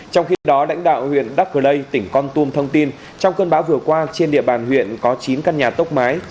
trong khi đó lãnh đạo huyện đắc cơ lây tỉnh con tum thông tin trong cơn bão vừa qua trên địa bàn huyện có chín căn nhà tốc mái